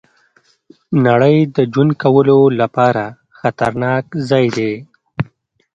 نړۍ د ژوند کولو لپاره خطرناک ځای دی.